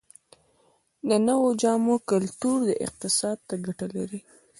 د نویو جامو کلتور اقتصاد ته ګټه لري؟